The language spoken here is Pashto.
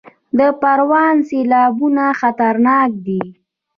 د پروان سیلابونه خطرناک دي